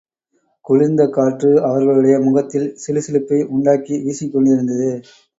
குளிர்ந்த காற்று அவர்களுடைய முகத்தில் சிலு சிலுப்பை உண்டாக்கி வீசிக்கொண்டிருந்தது.